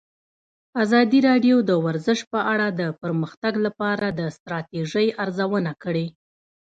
ازادي راډیو د ورزش په اړه د پرمختګ لپاره د ستراتیژۍ ارزونه کړې.